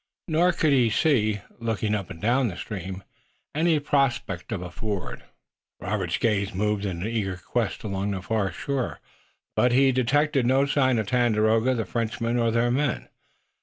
Nor could he see, looking up and down the stream, any prospect of a ford. Robert's gaze moved in an eager quest along the far shore, but he detected no sign of Tandakora, the Frenchman or their men.